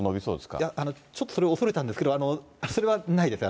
いや、ちょっとそれを恐れたんですけど、それはないです。